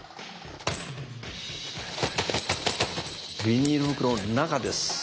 ビニール袋の中です！